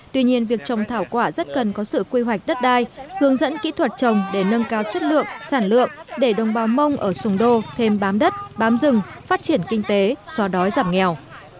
tuy nhiên việc trồng thảo quả rất cần có sự quy hoạch đất đai hướng dẫn kỹ thuật trồng để nâng cao chất lượng sản lượng để đồng bào mông ở sùng đô thêm bám đất bám rừng phát triển kinh tế xóa đói giảm nghèo